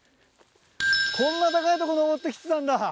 こんな高いとこ上って来てたんだ。